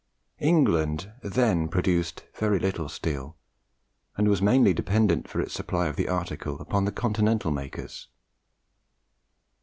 England then produced very little steel, and was mainly dependent for its supply of the article upon the continental makers.